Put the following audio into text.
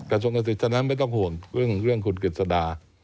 กระทรวงเกษตรฉะนั้นไม่ต้องห่วงเรื่องคุณกฤษดา